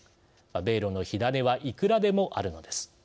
米ロの火種はいくらでもあるのです。